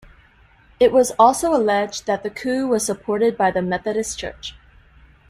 It was also alleged that the coup was supported by the Methodist church.